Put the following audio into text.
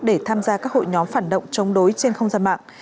để tham gia các hội nhóm phản động chống đối trên không gian mạng